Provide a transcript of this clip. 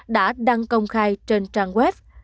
đã đăng công khai trên trang web